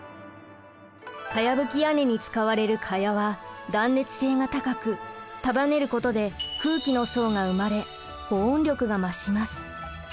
かやぶき屋根に使われるかやは断熱性が高く束ねることで空気の層が生まれ保温力が増します。